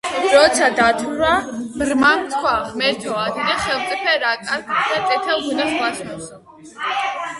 როცა დათვრა, ბრმამ თქვა: ღმერთო, ადიდე ხელმწიფე, რა კარგ და წითელ ღვინოს გვასმევსო!